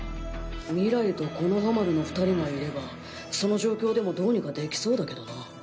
ミライと木ノ葉丸の２人がいればその状況でもどうにかできそうだけどな。